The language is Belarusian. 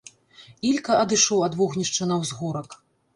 Ілька адышоў ад вогнішча на ўзгорак.